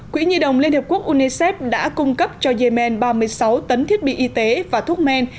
quỹ nhi đồng liên hợp quốc unicef đã cung cấp cho yemen ba mươi sáu tấn thiết bị y tế và thuốc men